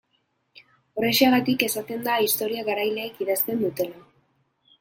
Horrexegatik esaten da historia garaileek idazten dutela.